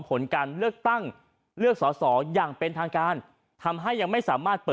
ผลการเลือกตั้งเลือกสอบ๒อย่างเป็นทางการ